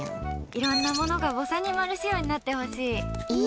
いろんなものがぼさにまる仕様になってほしい。